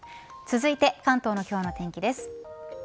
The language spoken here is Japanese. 続いて関東の今日の天気です。